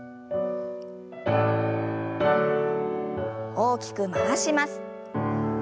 大きく回します。